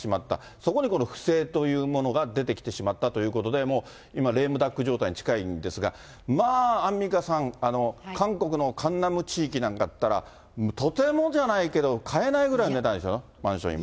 そこにこの不正というものが出てきてしまったということで、もう今、レームダック状態に近いんですが、まあ、アンミカさん、韓国のカンナム地域なんかだったら、とてもじゃないけど買えないぐらいの値段でしょう、マンション、今。